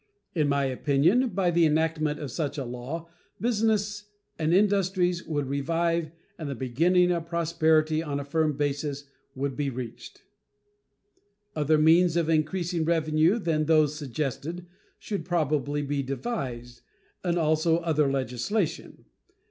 In my opinion, by the enactment of such a law business and industries would revive and the beginning of prosperity on a firm basis would be reached. Other means of increasing revenue than those suggested should probably be devised, and also other legislation.